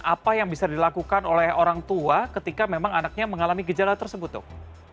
apa yang bisa dilakukan oleh orang tua ketika memang anaknya mengalami gejala tersebut dok